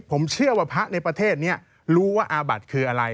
ผมเชื่อว่าพระในประเทศนี้รู้ว่าอาบัติคืออะไร